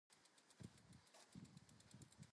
Early working title of the series is "Daughter".